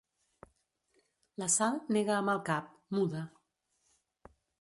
La Sal nega amb el cap, muda.